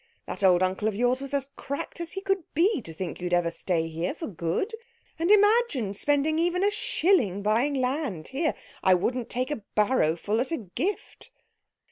That old uncle of yours was as cracked as he could be to think you'd ever stay here for good. And imagine spending even a single shilling buying land here. I wouldn't take a barrowful at a gift."